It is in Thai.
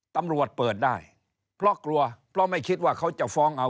ตำรวจเปิดได้เพราะกลัวเพราะไม่คิดว่าเขาจะฟ้องเอา